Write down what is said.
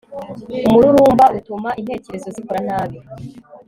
umururumba utuma intekerezo zikora nabi